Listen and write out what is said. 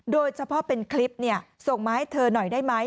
โดยเฉพาะเป็นคลิปส่งมาให้เธอหน่อยได้ไหม